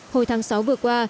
hồi tháng sáu vừa qua